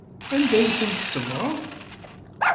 Anda ay ten-tsebɣeḍ?